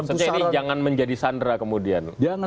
maksudnya ini jangan menjadi sandera kemudian buat pdi perjuangan